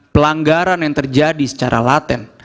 pelanggaran yang terjadi secara laten